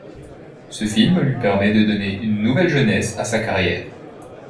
Ce film lui permet de donner une nouvelle jeunesse à sa carrière.